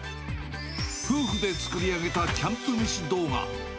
夫婦で作り上げたキャンプ飯動画。